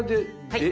はい。